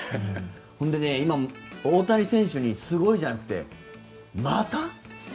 それで今、大谷選手にすごいじゃんってまた？